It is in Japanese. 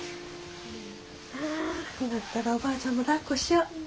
おばあちゃんもだっこしよう。